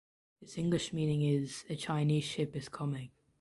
Its English meaning is "A Chinese Ship is Coming".